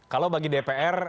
kalau bagi dpr